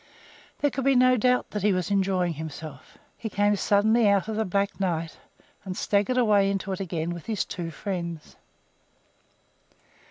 There could be no doubt that he was enjoying himself. He came suddenly out of the black night, and staggered away into it again with his two friends.